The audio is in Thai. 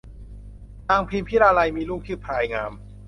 นางพิมพิลาไลยมีลูกชื่อพลายงาม